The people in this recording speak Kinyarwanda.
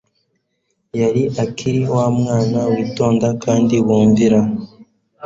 Yari akiri wa mwana witonda kandi wumvira.